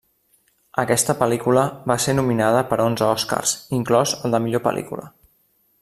Aquesta pel·lícula va ser nominada per onze Oscars, inclòs el de Millor Pel·lícula.